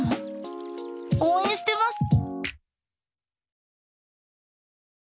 応援してます！